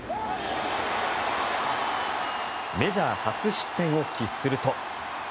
メジャー初失点を喫すると。